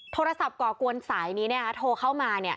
โทรศัพท์ก่อกวนสายนี้เนี่ยโทรเขามาเนี่ย